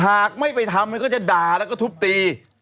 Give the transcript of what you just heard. หากไม่ไปทำมันก็จะด่าแล้วก็ทุบตี